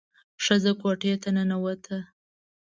ښځه کوټې ته ننوته.